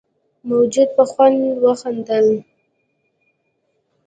موجود په خوند وخندل.